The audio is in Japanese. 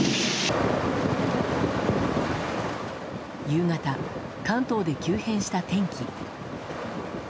夕方、関東で急変した天気。